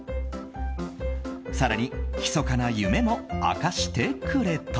更にひそかな夢も明かしてくれた。